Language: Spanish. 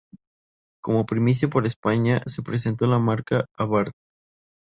Cómo primicia para España, se presentó la marca Abarth.